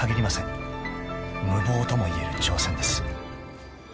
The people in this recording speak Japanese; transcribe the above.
［無謀とも言える挑戦です］